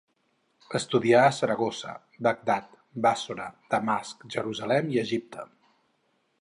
Estudià a Saragossa, Bagdad, Bàssora, Damasc, Jerusalem i Egipte.